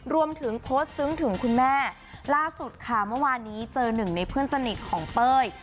รวมถึงโพสต์ซึ้งถึงคุณแม่ล่าสุดค่ะเมื่อวานนี้เจอหนึ่งในเพื่อนสนิทของเป้ย